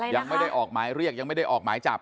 ยังไม่ได้ออกหมายเรียกยังไม่ได้ออกหมายจับ